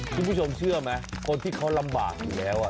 คุณผู้ชมเชื่อไหมคนที่เขาลำบากอยู่แล้ว